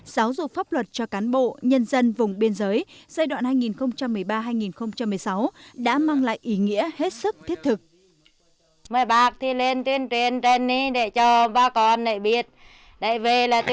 giáo dục pháp luật cho cán bộ nhân dân vùng biên giới giai đoạn hai nghìn một mươi ba hai nghìn một mươi sáu đã mang lại ý nghĩa